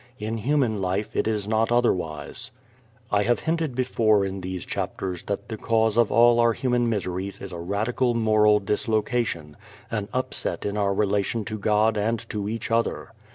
In human life it is not otherwise. I have hinted before in these chapters that the cause of all our human miseries is a radical moral dislocation, an upset in our relation to God and to each other.